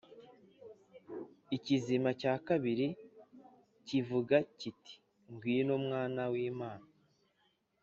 Ikizima cya kabiri kivuga kiti Ngwino mwana w’Imana